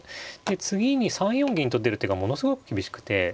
次に３四銀と出る手がものすごく厳しくて。